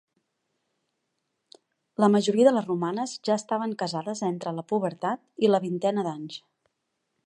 La majoria de les romanes ja estaven casades entre la pubertat i la vintena d'anys.